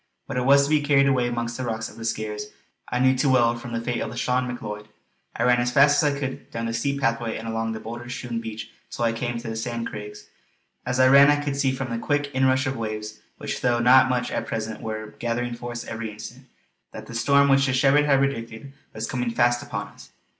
What it was to be carried away amongst the rocks of the Skares I knew too well from the fate of Lauchlane Macleod. I ran as fast as I could down the steep pathway and along the boulder strewn beach till I came to the Sand Craigs. As I ran I could see from the quick inrush of waves, which though not much at present were gathering force every instant, that the storm which the shepherd had predicted was coming fast upon us.